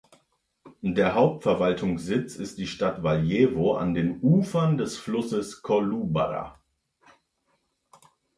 Der Hauptverwaltungssitz ist die Stadt Valjevo an den Ufern des Flusses Kolubara.